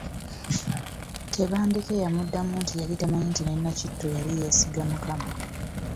Tebandeke yamuddamu nti yali tamanyi nti ne Nakitto yali yeesiga Mukama.